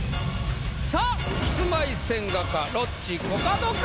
さぁキスマイ・千賀かロッチ・コカドか。